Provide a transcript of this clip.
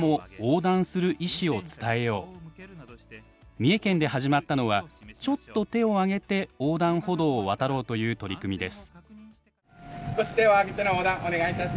三重県で始まったのはちょっと手を上げて横断歩道を渡ろうという取り組みです。